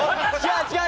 違う！